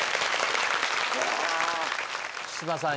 木嶋さん。